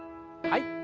はい。